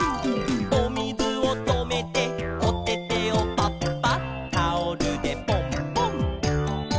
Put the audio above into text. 「おみずをとめておててをパッパッ」「タオルでポンポン」